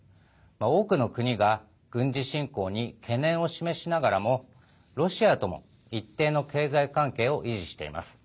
多くの国が軍事侵攻に懸念を示しながらもロシアとも一定の経済関係を維持しています。